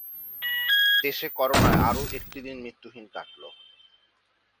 দেশে করোনায় আরও একটি দিন মৃত্যুহীন কাটল।